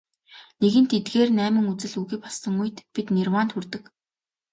Нэгэнт эдгээр найман үзэл үгүй болсон үед бид нирваанд хүрдэг.